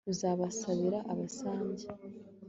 uzabasabira abasange